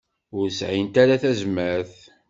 Ur sɛint ara tazmert.